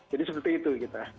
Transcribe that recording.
jadi seperti itu kita